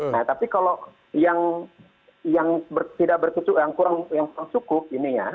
nah tapi kalau yang tidak bertutup yang kurang yang cukup ini ya